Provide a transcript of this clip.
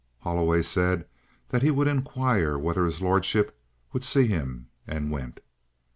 Holloway said that he would inquire whether his lordship would see him, and went.